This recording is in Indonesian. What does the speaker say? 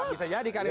bisa jadi kali itu